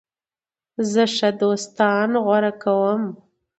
زه ښه دوستان غوره کوم.